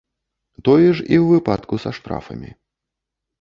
Тое ж і ў выпадку са штрафамі.